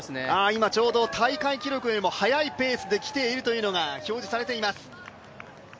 今ちょうど大会記録よりも速いペースできているというのが表示されています。